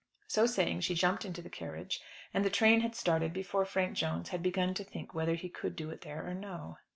So saying, she jumped into the carriage, and the train had started before Frank Jones had begun to think whether he could do it there or no.